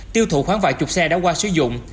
tiêu thụ khoảng vài chục xe đã qua sử dụng